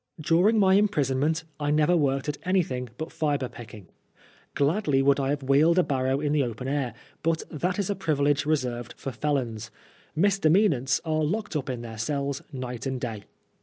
During my imprisonment I never worked at any thing but flbre picking. Oladly would I have wheeled a barrow in the open air, but that is a privilege reserved for felons ; misdemeanants are locked up in their cells night and day.